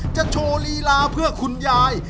โชว์ลีลาเพื่อคุณยาย